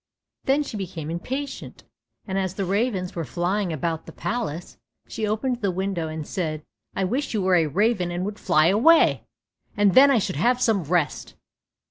Then she became impatient, and as the ravens were flying about the palace, she opened the window and said, "I wish you were a raven and would fly away, and then I should have some rest."